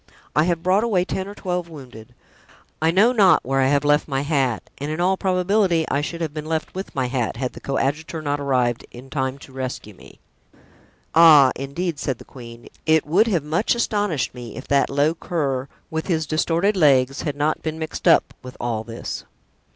I have brought away ten or twelve wounded. I know not where I have left my hat, and in all probability I should have been left with my hat, had the coadjutor not arrived in time to rescue me." "Ah, indeed," said the queen, "it would have much astonished me if that low cur, with his distorted legs, had not been mixed up with all this."